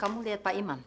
kamu liat pak imam